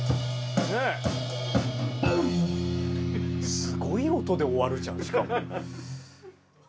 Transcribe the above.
すごい音で終わるじゃんしかも。